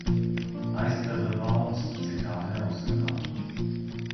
Aizkadra baumas citādi neuzzinātu.